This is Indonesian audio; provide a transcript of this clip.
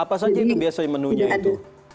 apa saja itu biasanya menunya itu